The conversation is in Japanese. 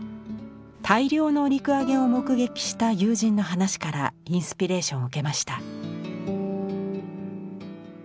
大漁の陸揚げを目撃した友人の話からインスピレーションを受けました。